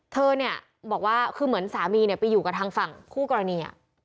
เธอบอกว่าคือเหมือนสามีไปอยู่กับทางฝั่งคู่กรณี